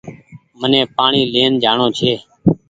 مني پآڻيٚ لين جآڻو ڇي۔